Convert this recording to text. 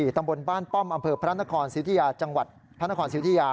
ตำบลบ้านป้อมอำเภอพระนครสิทธิยาจังหวัดพระนครสิทธิยา